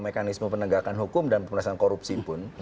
mekanisme penegakan hukum dan pemerintahan korupsi pun